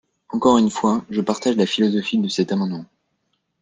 Encore une fois, je partage la philosophie de cet amendement.